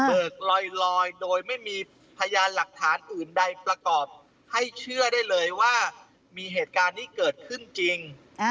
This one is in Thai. ลอยโดยไม่มีพยานหลักฐานอื่นใดประกอบให้เชื่อได้เลยว่ามีเหตุการณ์นี้เกิดขึ้นจริง